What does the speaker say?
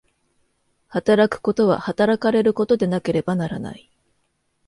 働くことは働かれることでなければならない。